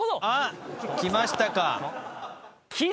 あっきましたか？